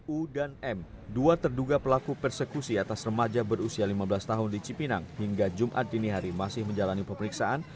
u dan m dua terduga pelaku persekusi atas remaja berusia lima belas tahun di cipinang hingga jumat dini hari masih menjalani pemeriksaan